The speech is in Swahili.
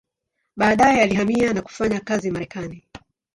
Baadaye alihamia na kufanya kazi Marekani.